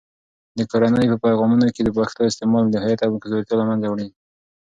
د کورنۍ په پیغامونو کې د پښتو استعمال د هویت کمزورتیا له منځه وړي.